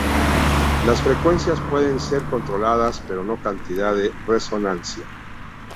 Las frecuencias pueden ser controladas, pero no cantidad de resonancia.